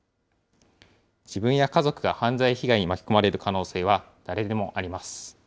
自分や家族が犯罪被害に巻き込まれる可能性は誰でもあります。